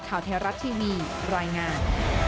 ข่าวไทยรัฐทีวีรายงาน